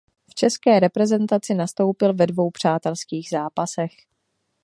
V české reprezentaci nastoupil ve dvou přátelských zápasech.